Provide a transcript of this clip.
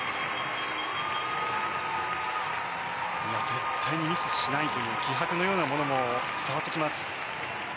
絶対にミスしないという気迫のようなものも伝わってきます。